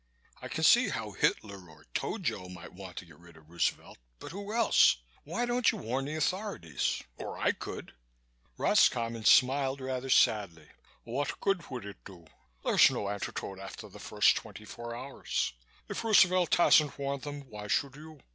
"I can see how Hitler or Tojo might want to get rid of Roosevelt but who else? Why don't you warn the authorities. Or I could." Roscommon smiled rather sadly. "What good would it do? There's no antidote after the first twenty four hours. If Roosevelt hasn't warned them, why should you?